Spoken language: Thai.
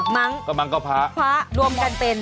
มั้งก็มั้งก็พระพระรวมกันเป็น